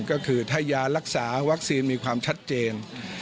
ก็คือถ้ายารักษาวัคซีนมีความชัดเจน